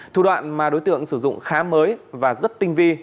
thủ đoạn mà đối tượng sử dụng khá mới và rất tinh vi